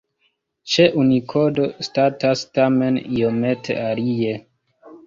Ĉe Unikodo statas tamen iomete alie.